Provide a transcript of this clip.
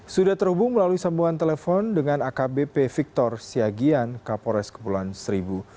sudah terhubung melalui sambungan telepon dengan akbp victor siagian kapolres kepulauan seribu